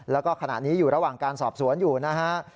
แล้วก็ขณะนี้อยู่ระหว่างการสอบสวนอยู่นะฮะ